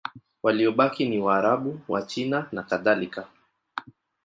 Waliobaki ni Waarabu, Wachina nakadhalika.